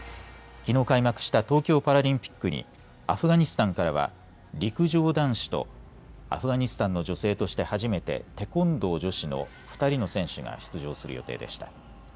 きのう開幕した東京パラリンピックにアフガニスタンからは陸上男子とアフガニスタンの女性として初めてテコンドー女子の２人の選手が出場する予定でした。